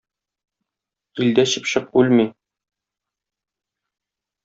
Илдә чыпчык үлми.